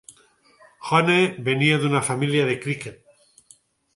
Hone venia d'una família de criquet.